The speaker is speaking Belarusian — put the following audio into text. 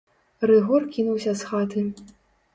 Рыгор кінуўся з хаты.